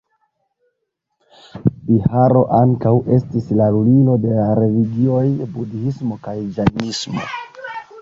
Biharo ankaŭ estis la lulilo de la religioj budhismo kaj ĝajnismo.